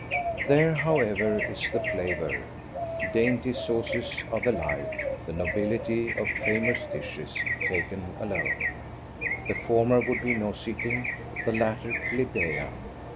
There, however, is the flavour. Dainty sauces are the life, the nobility, of famous dishes; taken alone, the former would be nauseating, the latter plebeian.